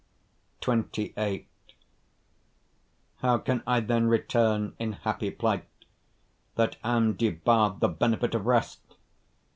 XXVIII How can I then return in happy plight, That am debarre'd the benefit of rest?